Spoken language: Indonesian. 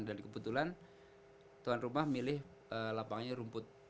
dan kebetulan tuan rumah milih lapangannya rumput